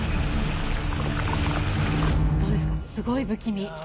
どうですか、すごい不気味。